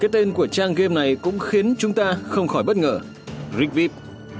cái tên của trang game này cũng khiến chúng ta không khỏi bất ngờ rigvip